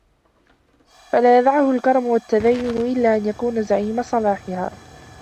فَلَا يَدَعْهُ الْكَرَمُ وَالتَّدَيُّنُ إلَّا أَنْ يَكُونَ زَعِيمَ صَلَاحِهَا